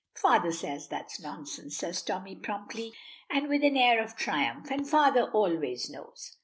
"Father says that's nonsense," says Tommy promptly, and with an air of triumph, "and father always knows."